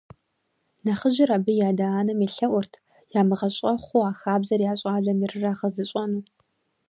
Нэхъыжьыр абы и адэ-анэм елъэӀурт, ямыгъэщӀэхъуу а хабзэр я щӀалэм ирырагъэзэщӀэну.